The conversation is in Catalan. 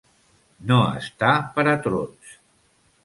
No estar per a trots.